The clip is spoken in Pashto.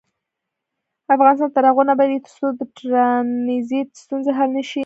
افغانستان تر هغو نه ابادیږي، ترڅو د ټرانزیت ستونزې حل نشي.